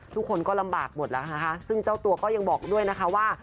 ทุกคนก็ลำบากหมดแล้วนะคะซึ่งเจ้าตัวก็ยังบอกด้วยนะคะว่า